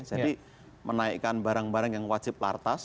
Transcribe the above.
jadi menaikkan barang barang yang wajib lartas